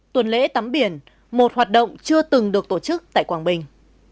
tuần lễ tắm biển một hoạt động chưa từng được tổ chức tại quảng bình